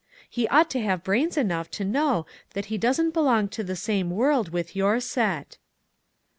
He ought to have brains enough to know that he doesn't belong to the same world with your set."